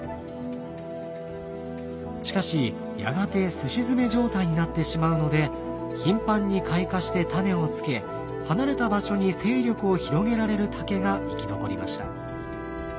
しかしやがてすし詰め状態になってしまうので頻繁に開花してタネをつけ離れた場所に勢力を広げられる竹が生き残りました。